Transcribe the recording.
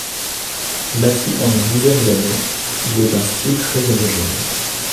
Bâti en une dizaine d'années, il est d'un style très homogène.